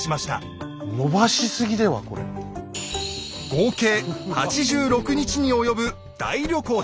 合計８６日に及ぶ大旅行です。